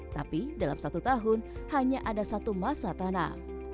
tapi dalam satu tahun hanya ada satu masa tanam